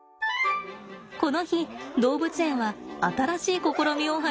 この日動物園は新しい試みを始めました。